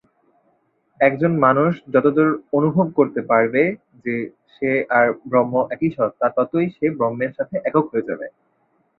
একজন মানুষ যতদূর অনুভব করতে পারবে যে সে আর ব্রহ্ম একই সত্তা, ততই সে ব্রহ্মের সাথে একক হয়ে যাবে।